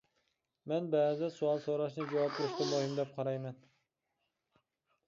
مەن بەزىدە سوئال سوراشنى جاۋاب بېرىشتىن مۇھىم دەپ قارايمەن.